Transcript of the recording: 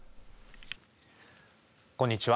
こんにちは。